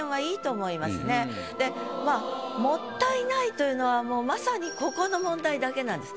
もったいないというのはもうまさにここの問題だけなんです。